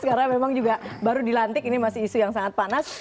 karena memang juga baru dilantik ini masih isu yang sangat panas